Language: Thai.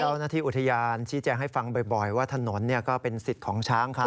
เจ้าหน้าที่อุทยานชี้แจงให้ฟังบ่อยว่าถนนก็เป็นสิทธิ์ของช้างเขา